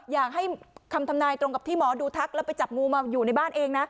อยากให้คำทำนายตรงกับที่หมอดูทักแล้วไปจับงูมาอยู่ในบ้านเองนะ